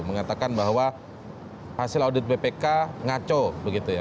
mengatakan bahwa hasil audit bpk ngaco begitu ya